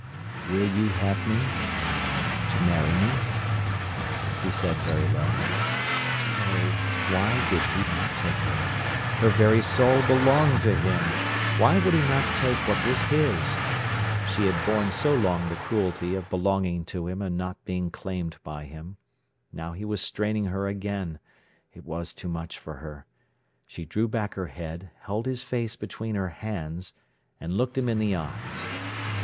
"Will you have me, to marry me?" he said very low. Oh, why did not he take her? Her very soul belonged to him. Why would he not take what was his? She had borne so long the cruelty of belonging to him and not being claimed by him. Now he was straining her again. It was too much for her. She drew back her head, held his face between her hands, and looked him in the eyes.